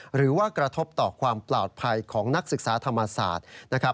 หรือว่ากระทบต่อความปลอดภัยของนักศึกษาธรรมศาสตร์นะครับ